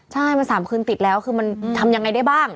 ใช่มัน๓คืนติดแล้วคือมันทำยังไงได้บ้าง